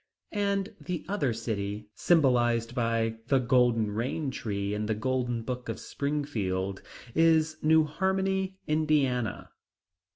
And the other city, symbolized by The Golden Rain Tree in The Golden Book of Springfield, is New Harmony, Indiana.